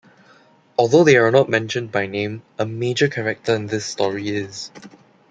Although they are not mentioned by name, a major character in this story is.